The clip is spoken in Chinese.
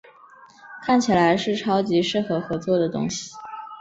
看起来是超级适合合作的东西